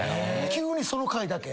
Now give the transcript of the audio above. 急にその回だけ？